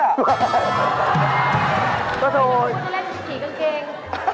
เฮ้ยไม่คุ้นให้เป็นผีกางเกง